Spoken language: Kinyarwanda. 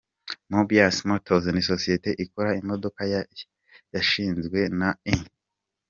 Mobius Motors ni sosiyete ikora imodoka yashinzwe na Eng.